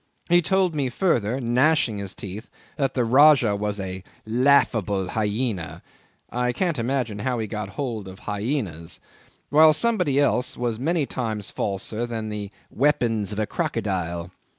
He told me further, gnashing his teeth, that the Rajah was a "laughable hyaena" (can't imagine how he got hold of hyaenas); while somebody else was many times falser than the "weapons of a crocodile."